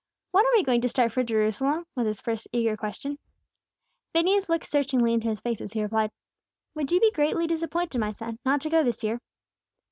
"When are we going to start for Jerusalem?" was his first eager question. Phineas looked searchingly into his face as he replied, "Would you be greatly disappointed, my son, not to go this year?"